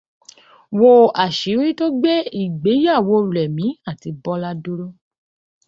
Wo àṣírí tó gbé ìgbéyàwó Rẹ̀mí àti Bọ́lá dúró.